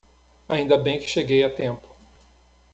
Ainda bem que cheguei a tempo.